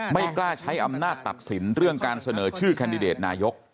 ไม่กล้าใช้อำนาจตัดสินเรื่องการเสนอชื่อแคนดิเดตนายก